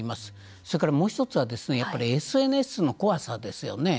それからもう一つはやっぱりＳＮＳの怖さですよね。